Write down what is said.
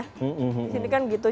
disini kan gitu